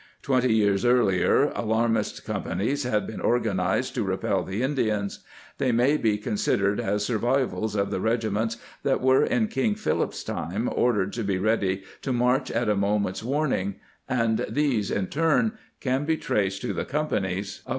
^ Twenty years earlier, alarm list companies had been organized to repel the Indians ; they may be considered as survivals of the regiments that were in King Philip's time ordered to be ready to march at a moment's warning ; and these in turn can be traced to the companies 1 Journals Provincial Congress of Massachusetts, p.